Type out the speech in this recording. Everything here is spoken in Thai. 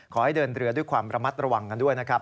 ขอให้เดินเรือด้วยความระมัดระวังกันด้วยนะครับ